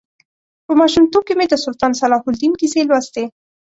په ماشومتوب کې مې د سلطان صلاح الدین کیسې لوستې.